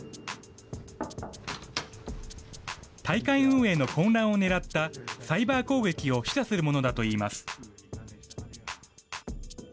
大会運営の混乱を狙ったサイバー攻撃を示唆するものだといいます。